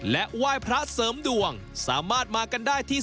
และไหว้พระเสริมดวงสามารถมากันได้ที่